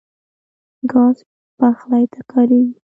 ګاز پخلی ته کارېږي.